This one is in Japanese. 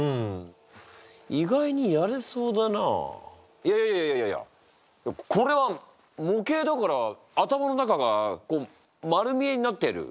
いやいやいやいやこれは模型だから頭の中が丸見えになっている。